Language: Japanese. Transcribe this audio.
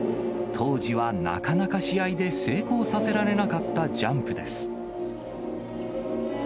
当時はなかなか試合で成功させられなかったジャンプです。